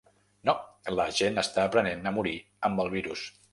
No, la gent està aprenent a morir amb el virus.